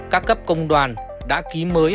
các cấp công đoàn đã ký mới